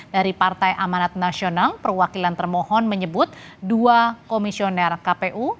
dari partai amanat nasional perwakilan termohon menyebut dua komisioner kpu